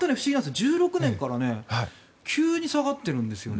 １６年から急に下がってるんですよね。